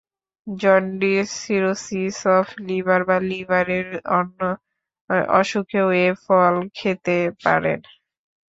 Jaundice, cirrhosis of liver বা লিভারের অন্য অসুখেও এ ফল খেতে পারেন।